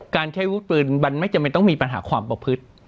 การใช้วุฒิปืนมันไม่จำเป็นต้องมีปัญหาความประพฤติ